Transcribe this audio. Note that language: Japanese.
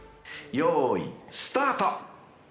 ［よいスタート］